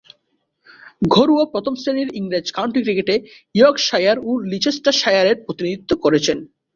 ঘরোয়া প্রথম-শ্রেণীর ইংরেজ কাউন্টি ক্রিকেটে ইয়র্কশায়ার ও লিচেস্টারশায়ারের প্রতিনিধিত্ব করেছেন।